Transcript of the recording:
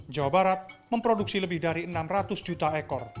jawa barat memproduksi lebih dari enam ratus juta ekor